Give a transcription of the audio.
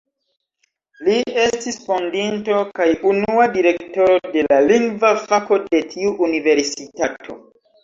Li estis fondinto kaj unua Direktoro de la Lingva Fako de tiu universitato.